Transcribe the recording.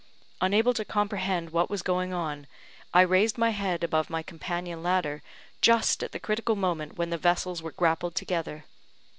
Unable to comprehend what was going on, I raised my head above my companion ladder, just at the critical moment when the vessels were grappled together.